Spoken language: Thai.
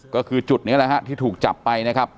ก็คือจุดนี้แหละฮะที่ถูกจับไปนะครับ